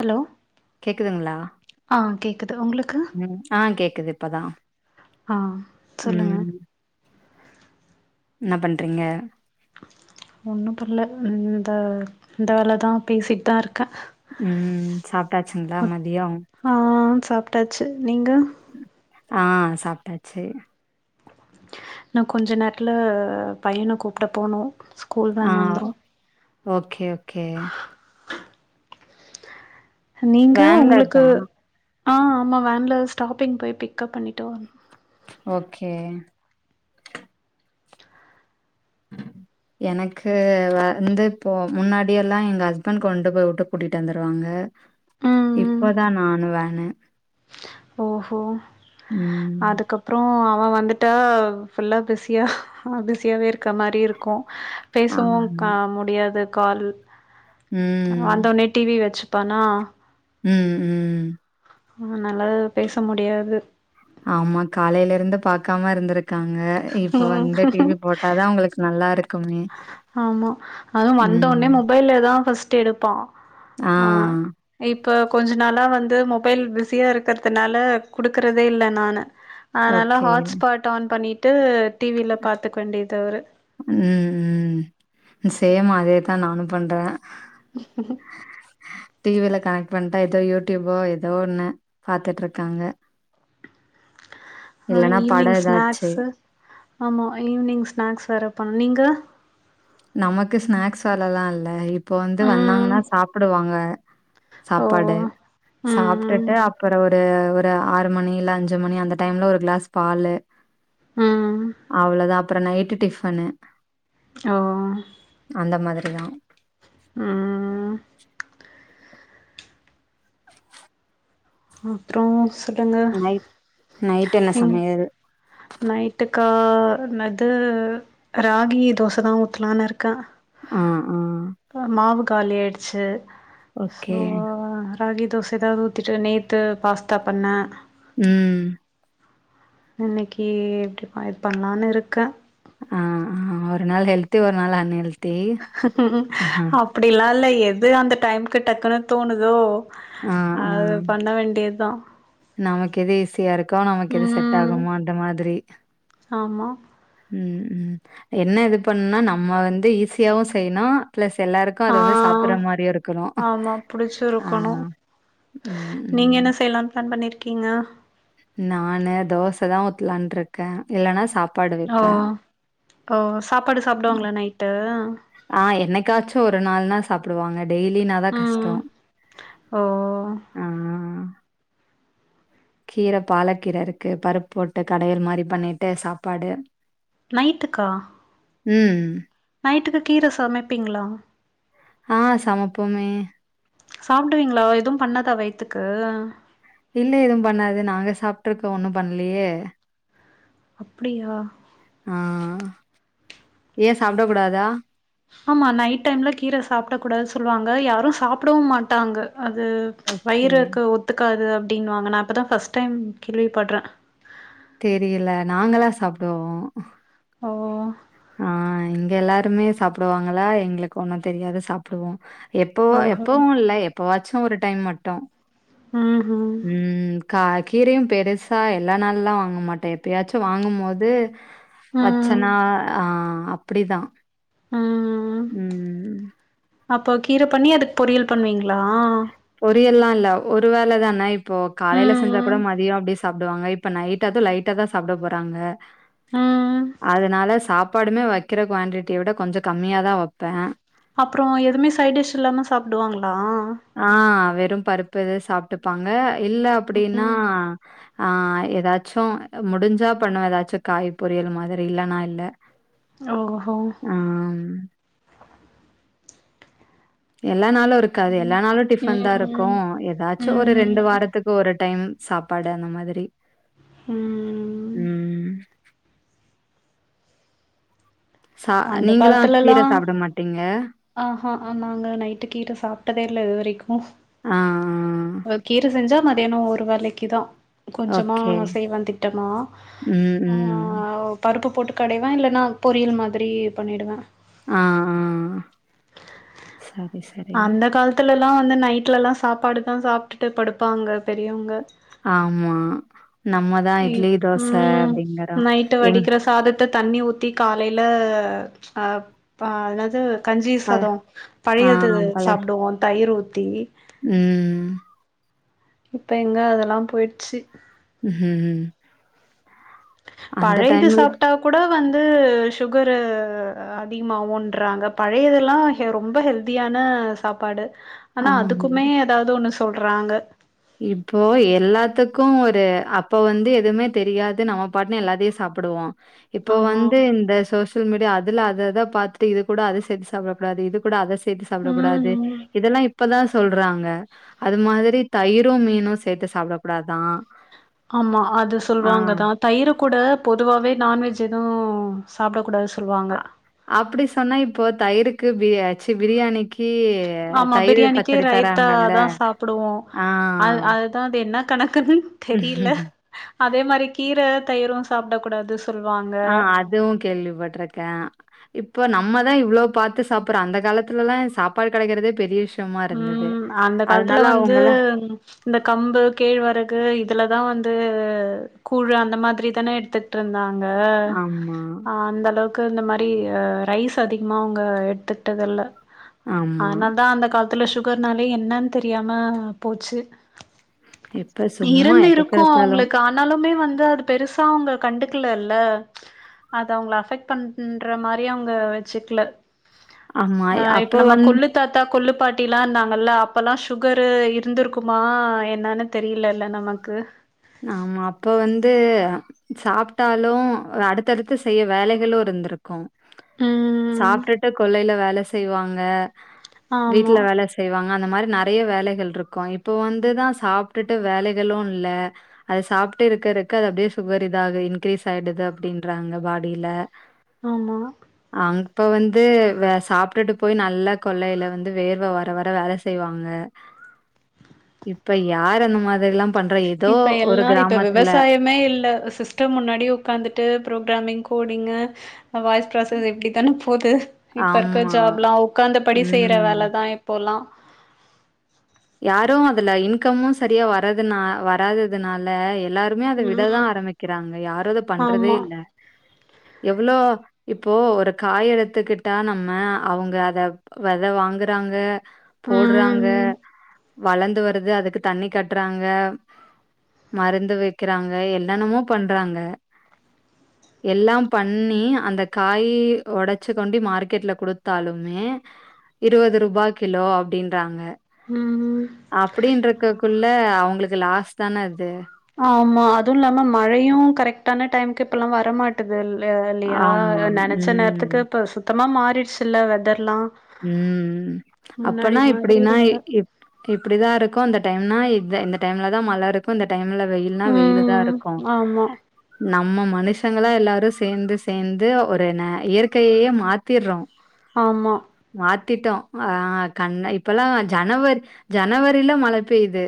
Hello கேக்குதுங்களா ஆ கேக்குது உங்களுக்கு ம் ஆ கேக்குது இப்பதா ஆ சொல்லுங்க ம் என்ன பண்றீங்க ஒன்னு பண்ல இந்த இந்த வேலதா பேசிட்தா இருக்கே ம் சாப்ட்டாச்சுங்களா மதியோ ஆ சாப்ட்டாச்சு நீங்க ஆ சாப்ட்டாச்சு நா கொஞ்ச நேரத்துல பையன கூப்ட போனு ஸ்கூல் ஆ வேன் வந்ரு ஓகே ஓகே நீங்க ஒங்ளுக்கு வேன்லதா ஆ ஆமா வேன்ல ஸ்டாப்பிங் போய் பிக்கப் பண்ணிட்டு வர் ஓகே [inaudible] எனக்கு வந்து இப்போ முன்னாடியெல்லா எங்க ஹஸ்பண்ட் கொண்டு போய் வுட்டு கூட்டிட்டு வந்துருவாங்க ம் ம் இப்போதா நானு வேனு ஓஹோ ம் அதுக்கப் அப்றோ அவ வந்துட்டா ஃபுல்லா பிஸியா பிஸியாவே இருக்க மாரி இருக்கு பேசவு ஆமா க முடியாது கால் ம் அந்த நெட் டி வி வச்சுப்பானா ம் ம் ம் அதனால பேச முடியாது ஆமா காலைல இருந்து பாக்காம இருந்திருக் இருக்காங்க இப்போ ம். வந்து டி வி போட்டாதா ஒங்ளுக்கு நல்லா இருக்குமே ஆமா அதுவு வந்தவுனே ம் மொபைல்லேதா ஃபர்ஸ்ட்டு எடுப்பா ஆ இப் இப்ப கொஞ்ச நாளா வந்து மொபைல் பிஸியா இருக்கிறதுனால குடுக்கறதே இல்ல நானு அதனால ஓகே. ஹாட்ஸ் பாட் ஆன் பண்ணிட்டு டிவியில பாத்துக்க வேண்டியது அவுரு ம் ம் சேம் அதேதா நானு பண்றே [unintelligible] டி வில கனெக்ட் பண்ட்டா எதோ யூடிபோ எதோ ஒன்னு பாத்திட்ருக்காங்க ஆ இல்லன்னா ஈவினிங் படம் ஏதாச்சு. ஸ்நாக்ஸு ஆமா ஈவி்னிங் ஸ்நாக்ஸ் வேற பண்ணு நீங்க நமக்கு ஸ்நாக்ஸ் வேலலா இல்ல இப்போ வந்து ம் வந்தாங்கனா சாப்டுவாங்க ஓ சாப்பாடு ம் சாப்டுட்டு அப்றோ ஒரு ஒ ரு ஆறு மணி இல்ல அஞ்சி மணி அந்த டைம்ல ஒரு கிளாஸ் பாலு ம் அவ்ளோதா அப்றோ நைட்டு டிஃபனு ஓ அந்த மாதிரிதா ம் அப்றோ சொல்லுங்க நைட் நைட் என்ன எங் சமையல்? நைட்டுக்கா என்னது ராகி தோசதா ஊத்தலானு இருக்கே அ ஆ மாவு காலி ஆயிடுச்சு ஓகே. சோ ராகி தோச எதாவது ஊத்திட்டு நேத்து பாஸ்தா பண்ண ம் இன்னைக்கி எப்டி [unintelligible] பண்ணலான்னு இருக்க அ அ ஒரு நாள் ஹெல்த்து ஒரு நாள் அன்ஹெல் அப்படிலா இல்ல எது அந்த டைம்க்கு டக்குனு தோணுதோ ஆ, ஆ. அது பண்ண வேண்டியதுதா நமக்கு எது ஈஸியா இருக்கோ நமக்கு எது செட் ம் ஆகுமோ அந்த மாதிரி ஆமா ம் ம் என்ன இது பண்ண நம்ம வந்து ஈஸியாவு செய்ணு பிளஸ் எல்லாருக்கு அது ஆ வந்து சாப்பர்ற மாதிரியு இருக்கணு ஆமா ஆ புடிச்சிருக்கணு ம் நீங்க ம் என்ன செய்யலான்னு பிளான் பண்ணியிருக்கீங்க நானு தோச தா ஊத்தலான்ருக்க இல்லன்னா சாப்பாடு ஓ வெப்ப ஓ சாப்பாடு சாப்புடுவாங்களா நைட்டு ஆ என்னைக்காச்சு ஒரு நாள்னா சாப்புடுவாங்க டெய்லினாதா ம் கஷ்டோ ஓ ம் [inaudible] கீர பாலக்கீர இருக்கு பருப்பு போட்டு கடையல் மாரி பண்ணீட்டு சாப்பாடு நைட்டுக்கா ம் நைட்டுக்கு கீர சமைப்பிங்ளா ஆ சமப்போமே சாப்டுவீங்களா எதுவு பண்ணாதா வயித்துக்கு இல்ல எதுவு பண்ணாது நாங்க சாப்ட்ருக்கோ ஒன்னு பண்லயே அப்டியா ஆ ஏ சாப்ட கூடாதா ஆமா நைட் டைம்ல் கீர சாப்பட கூடாது சொல்லுவாங்க யாரு சாப்புடவு மாட்டாங்க அது ஓகே. வயிறுக்கு ஒத்துக்காது அப்டின்னுவாங்க நா இப்பதா ஃபஸ்ட் டைம் கேள்வி படுறே தெரீல நாங்களா சாப்டுவோ ஓ ஆ இங்க எல்லாருமே சாப்புடுவாங்களா எங்களுக்கு ஒண்ணு தெரியாது சாப்புடுவோ எப்போவோ ஓஹோ எப்பவு இல்ல எப்ப வாச்சு ஒரு டைம் மட்டு ம்ம் ம் கா கீரையு பெருசா எல்லா நாள்லா வாங்க மாட்டே எப்பயாச்சு வாங்கு போது ம் வச்சனா ஆ அப்படிதா ம் ம் அப்போ கீர பண்ணி அதுக்கு பொரியல் பண்ணுவீங்களா பொரியல்லா இல்ல ஒரு வேலதான இப்போ காலைல செஞ்சா ம் கூட மதியோ அப்டே சாப்டுவாங்க இப் இப்ப நைட் அதூ லைட்டா தா சாப்ட போறாங்க ம் அதனால சாப்பாடுமே வக் கிற குவான்டிட்டிய விட கொஞ்சோ கம்மியா தா வெப்பே அப்றோ எதுவுமே சைட் டிஷ் இல்லாம சாப்டுவாங்களா ஆ வெறு பருப்பு இது சாப்ட்டுப்பாங்க இல்ல அப்டின்னா ம் ஆ எதாச்சு முடிஞ்சா பண்ணுவ எதாச்சு காய் பொரியல் மாதிரி இல்லன்னா இல்ல ஓஹோ ஆம் எல்லா நாளு இருக்காது எல்லா நாளு டிஃபன் தா இருக்கு ம் எதா ச்சு ஒரு ரெண்டு ம் வாரத்துக்கு ஒரு டைம் சாப்பாடு அந்த மாதிரி ம் ம் சா அந்த நீங்கலாம் காலத்துலல்லா கீரை சாப்பிட மாட்டீங்க? ஆஹா நாங்க நைட்டு கீர சாப்ட்டதே இல்ல இதுவரைக்கு ஆ, ஆ. கீர செஞ்சா மதியானம் ஒரு வேலைக்குதா கொஞ்சமா ஓகே. செய்வ திட்டமா ம், ஆ ம். ஓ பருப்பு போட்டு கடைவ இல்லன்னா பொரியல் மாதிரி பண்ணிடுவ ஆ ஆ சரி சரி அந்த காலத்துல எல்லா வந்து நைட்லல்லா சாப்பாடுதா சாப்டுட்டு படுப்பாங்க பெரியவங்க ஆமா நம்ம தான் இட்லி, தோச ம் அப்டிங்கிறோம். நைட்டு எங் வடிக்கிற சாதத் தண்ணி ஊத்தி காலைல ப என்னாது கஞ்சி பல சாதோண ஆ பழையது பல சாப்டுவோ தயிர் ஊத்தி ம் இப்ப எங்க அதெல்லா போயிற்ச்சி ம் ம் அந்த பழையது டைம்ல சாப்ட்டா கூட வந்து சுகரு அதிகமாவுன்றாங்க பழையதெல்லா ரொம்ப ஹெல்தியான சாப்பாடு ஆனா ஆமா. அதுக்குமே எதாவது ஒண்ணு சொல்றாங்க இப்போ எல்லாத்துக்கு ஒரு அப்ப வந்து எதுமே தெரியாது நம்ம பாட்டுன்னு எல்லாத்தையு சாப் ப்டுவோ இப்போ ஆமா வந்து இந்த சோசியல் மீடியா அதுல அது அத பாத்துட்டு இது கூட அத சேத்து சாப்டக் கூடாது இது கூட அத சேத்து சாப்டக்க கூடாது ம் இதெல்லா இப்பதா சொல்றாங்க அது மாதிரி தயிரு மீனு சேத்து சாப்ட கூடாதா ஆமா அது சொல்வாங்கதா தயிரு கூட பொதுவாவே நான்வெஜ் எதூ சாப்டக்கூடாது சொல்வாங்க அப்டி சொன்னா இப்போ தயிருக்கு ச்சீ பிரியாணிக்கு ஆமா தயிரு பிரியாணிக்கு பச்சடி தராங்கல்ல ரைத்தாதா சாப்டுவோ ஆ அ அதுதா அது என்ன கணக்குன்னு தெரில அதே மாரி கீர தயிரு சாப்ட கூடாது சொல்வாங்க ஆ அதுவு கேள்விப்பட்ருக்க இப்போ நம்ம தா இவ்ளோ பாத்து சாப்பட்றோ அந்த காலத்துலலா சாப்பாடு கெடைக்கறதே பெரிய விஷ்ய ம் அந்த காலத்துல வந்து அவங்கலாம் இந்த கம்பு கேழ்வரகு இதுல தா வந்து கூழ் அந்த மாதிரி தான எடுத்து ட்ருந்தாங்க ஆமா, அந்த அளவுக் கு இந்த மாரி அ ரைஸ் அதிகமா அவுங்க எடுத்துட்டது இல்ல ஆமா. அதனால தா அந்த கால த்ல சுகர்னாலே என்னன்னு தெரியாம போச்சு இப்ப சும்மா இருந்து இருக்கூ எதுக்கெடுத்தாலும் அவுங்களுக்கு ஆ ஆனாலுமே வந்து அது பெருசா அவுங்க கண்டுக்கல இல்ல அது அவங்கள அஃபெக்ட் பண்ற மாரியே அவுங்க வெச்சுக்ல ஆமா ஆ அப்ப இப்ப நம்ம வந் கொள்ளு தாத்தா கொள்ளுப் பாட் டீல்லா இருந்தாங்கல்ல, அப்பல்லா சுகரு இருந்திருக்குமா என்னன்னு தெரியலல்ல நமக்கு? ஆமா! அப்போ வந்து. சாப்ட்டாலு, அடுத்தடுத்து செய்ய வேலைகளு இருந்திருக்கும்! ம் சாப்ட்டுட்டு கொல்லையில வேல செய்வாங்க. வீட்ல ஆமா வேல செய். செய்வாங்க அந்த மாரி நெறைய வேலைகள் இருக்கு இப்போ வந்துதா சாப்ட்டுட்டு வேலைகளு இல்ல அது சாப்ட்டு இருக்க இருக்க அது அப்டியே சுகர் இதாகு இன்கிரீஸ் ஆயிடுது அப்டின்றாங்க பாடியில ஆமா அங் ப்போ வந்து வே சாப்ட்டுட்டு போய் நல்ல கொல்லைல வந்து வேர்வ வர வர வேல செய்வாங்க [inaudible] இப்ப யார் அந்த மாதிர்லா பண்ற இப்ப எல்லா இப்ப விவசாயமே இல்ல சிஸ் க்கு முன்னாடி உக்காந்துட்டு, பரோக்ராமிங், கோடிங், அ வாய்ஸ் ப்ராசஸ் இப்டித்தானே போது இப்ப இருக்க ஆமா. ஜாப்லா உக்காந்த படி செய்யற ம். வேலதா இப்போல்லா யாரு அதுல இன்கமு சரியா வரதுனா வராததுனால எல்லார ருமே அத விடதா ம் ஆரம்பிக்கிறாங்க யாரு அத பண்றதே ஆமா இல்ல [inaudible] எவ்ளோ இப்போ ஒரு காய் எடுத்துக்கிட்டா, நம்ம அவங்க அத வெத வாங்குறாங்க போட்றாங்க ம் வளந்து வருது அதுக்கு தண்ணி காட்றாங்க மருந்து வெக்குறாங்க, என்னென்னமோ பண்றாங்க [inaudible] எல்லாம் பண்ணி அந்த காயே ஒடச்சு கொண்டி மார்க்கெட்ல குடுத்தாலுமே இருவது ரூபா கிலோ அப்டின்றாங்க ம் ம் அப்டின்றக்கக்குள் ள அவங்களுக்கு லாஸ் தானே அது ஆமா அதுவுல்லாம மழையு கரெக்டான டைமுக்கு இப்பெல்லா வரமாட் டுது இல் இல்லையா ஆமா. நெனைச்ச ம். நேரத்துக்கு இப்ப சுத்தமா மாறிடுச்சுல்ல வெதர்லா ம் முன்னாடி அப்பனா மாதிரி இப்டின்னா இல்ல இப் டி இப்டிதா இருக்கு அந்த டைம்னா இதா இந்த டைம்லதா மழ இருக் கு இந்த டைம்ல வெயில்னா வெயிலுதா ம் இருக்கு ஆமா நம்ம மனுஷங்களா எல்லாரு சேந்து சேந்து ஒரு ந இயற்கையையே மாத்திறோ ஆமா மாத்திட்டோ ஆ கண்ண இப்பல்லா ஜனவரி ஜனவரில மழ பெய்து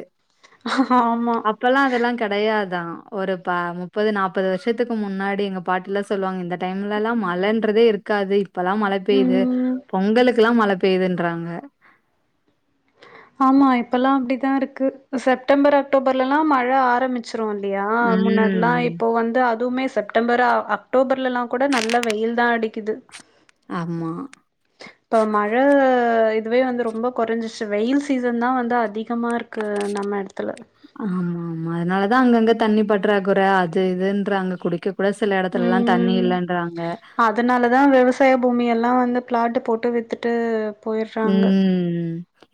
ஆமா ப்பெல்லா அதெல்லா கெடையாதா ஒரு பா முப்பது, நாப்பது வருஷத்துக்கு முன்னாடி எங்க பாட்டில்லா சொல்லுவாங் இந்த டைம்லல்லா மழன்றதே இருக்காது இப்பல்லா மழ பெய்து ம் பொங்கலுக்கெல்லா மழ பெய்துன்றாங்க ஆமா இப்பல்லா அப்டித்தா இருக்கு செப்டம்பர், அக்டோபர்லல்லா மழ ஆரம்பிச் ச்சுரு இல்லையா முன்னாடில்லா ம் இப்போ வந்து அதுவுமே செ ப்டம்பர் அ அக்டோபர்லலா கூட நல்ல வெயில்தா அடிக்குது ஆமா இப்ப மழ இதுவே வந்து ரொம்ப கொறைஞ்சிருச்சு வெயில் சீசன்தான வந்து அதிகமா இருக்கு நம்ம எடத்துல ஆமாமா அதனாலதா அங்கங்க தண்ணி பற்றாகொற அது இதுன்றாங்க குடிக்க கூட சில எடத்துலல்லா தண்ணி ம் இல்லன்றாங்க அதனாலதா விவசாய பூமியெல்லா வந்து ஃபிளாட்டு போட்டு வித்துட்டு போயிட்றாங்க ம்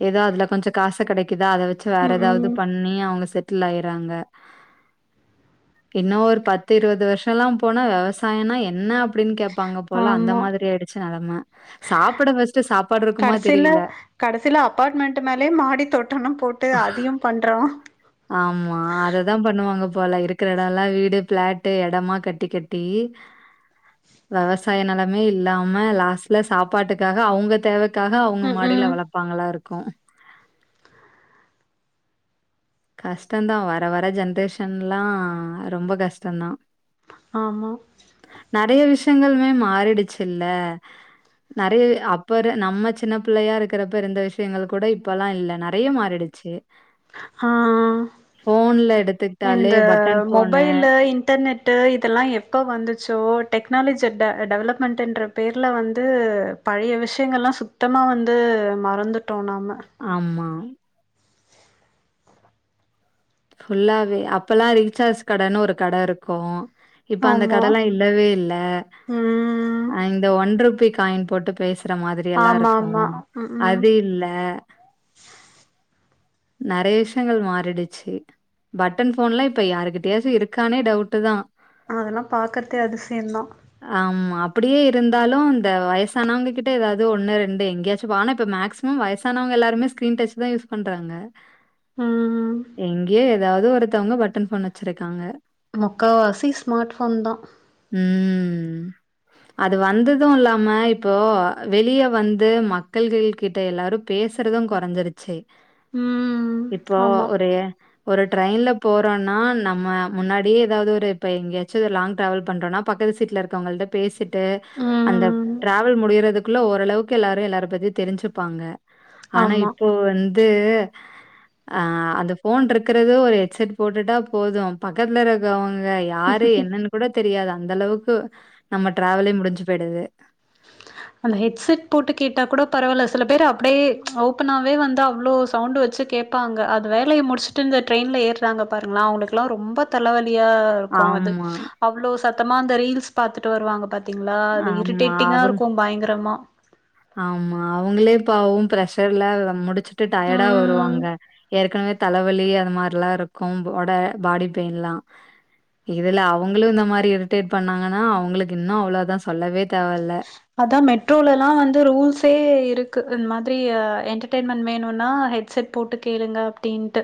எதோ அதுல கொஞ்சோ காசு கெடைக்குதா அத வச்சு வேற ம் எதாவ்து ம் பண் ணி அவங்க செட்டில் ஆயறாங்க இன்னு ஒரு பத்து இருவது வர்ஷோல்லா போனா வெவசாயோனா என்ன அப்டின் கே ப்பாங்க போல அந்த ஆமா மாதிரி ஆய்டுச்சு நெலம சாப்புட ஃபர்ஸ்ட்டு சாப்பாடுருக்கு சில கடைசில அபார்ட்மெண்ட் மேலயே மாடி தோட்டோலா போட்டு அதியு பண்றோ ஆமா அத தா பண்ணுவாங்க போல இருக்ற எடோல்லா வீடு பிளாட்டு எடமா கட்டி கட்டி [inaudible] வெவசாய நெலமே இல்லாம லாஸ்ட்ல சாப்பாட்டுக்காக அவுங்க தேவ க்காக அவுங்க ம் மாடில ம் வளப்பாங்களாருக்கு கஷ்டந்தா வர வர ஜென்ரேஷன்லா ரொம்ப கஷ்டந்தா ஆமா நறைய விஷ்யங்களுமே மாறிடுச்சுல்ல நறைய அப்ப நம்ம சின்ன பிள்ளயா இருக்றப்ப இருந்த விஷ்யங்கள் கூட இப்பெல்லா இல்ல நறைய மாறிடு ச்சு ஹா எடுத்துக்கிட்டாலே இந்த பட்டன் ஃபோனு மொபைலு இன்டர்நெட் ட்டு இதெல்லா எப்ப வந்துச்சோ டெக்னாலஜி ட டெவலப்மெண்ட்டுன்ற பேர்ல வந்து பழைய விஷ்யங்கள்லா சுத்தமா வந்து மறந்துட்டோ நாம ஆமா ஃபுல்லாவே அப்பல்லா ரீசார்ஜ் கடன்னு ஒரு கட இருக்கு இப்ப அந்த ஆமா கடலா இல்லவே இல்ல ம் அ இந்த ஒன்ருப்பி காயின் போட்டு பேசுற மாதிரி எல்லா ஆமா இருக்கு ஆமா ம் அது இல்ல நறைய விஷ்யங்கள் மாறிடுச்சு பட்டன் ஃபோன்லா இப்ப யாருக்கிட்டயாச்சு இருக்கானே டவுட்டு தா அதெல்லா பாக்கற்தே அதிசயந்தா ஆமா அப்டியே இருந்தாலு இந்த வய்சானவங்க கிட்ட எதாவ்து ஒண்ணு ரெண்டு எங்கயாச்சு பா ஆனா இப்ப மேக்ஸி மம் வயசானவங்க எல்லாருமே ஸ்கீரின் டச் தா யூஸ் பண்றாங்க ம் எங்கே எதாவ்து ஒருத்தோங்க பட்டன் ஃபோன் வச்சிருக்காங்க முக்காவாசி ஸ்மார்ட் ஃபோன் தா ம் [inaudible] அது வந்தது இல்லாம இப்போ வெளிய வந்து மக்கள்கள் கிட்ட எல்லாரு பேசுறது கொறஞ்சிருச்சு ம் இப்போ ஆமா ஒரு ஒரு ட்ரெயின்ல போறோனா நம்ம முன்னாடியே எதாவ்து ஒரு இப்ப எங்கயாச்சு லாங் ட்ராவல் பண்றோனா பக்கத்து சீட்லரு க்கோங்கள்ட்ட பேசிட் ட்டு அந்த ம் டிராவல் முடியறதுக்குள்ள ஓரளவுக்கு எல்லாரு எல்லாரு பத்தி தெரிஞ்சுப்பாங்க ஆனா ஆமா இப்போ வந்து ஆ அந்த ஃபோன்ட்ரு க்றது ஒரு ஹெட்செட் போட்டுட்டா போது பக்கத்ல இருக்கோவங்க யாரு என்னன் கூட தெரியாது அந்தளவுக்கு நம்ம டிராவலே முடுஞ்சு போய்டுது அந்த ஹெட்செட் போட்டு கேட்டா கூட பரவால்ல சில பேரு அப்டே ஓபனாவே வந்து அவ்ளோ சவுண்டு வச்சு கே ப்பாங்க அது வேலய முடுச்ட்டு இந்த ட்ரெயின்ல ஏறாங்க பாருங்ளே அவுங்ளுக்லா ரொம்ப தலவலியா இருக்கு அது ஆமா, அவ்ளோ சத்தமா அந்த ரீல்ஸ் பாத்துட்டு வருவாங்க பாத்தீங்ளா அது ஆமா. அவங்க இருடேட்டிங்காரு க்கு பயங்கரமா ஆமா அவுங்ளே பாவோ ப்ரெஷர்ல முடிச்சுட்டு டயர்டா ம் வருவாங்க ஏற்கனவே தலவலி அது மார்லாருக்கு போட பாடி பெயின்லா இதுல அவுங்ளு இந்த மாரி இரிட்டேட் பண்ணாங்கன்னா அவுங்ளுக்கு இன்னு அவ்ளதா சொல்லவே தேவல்ல அதா மெட்ரோலலா வந்து ரூல்ஸே இருக்கு இன் மாதிரி என்டர்டய்மெண்ட் வேணுனா ஹெட்செட் போட்டு கேளுங்க அப்டின்ட்டு